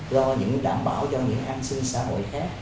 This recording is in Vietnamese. do những đảm bảo cho những an sinh xã hội khác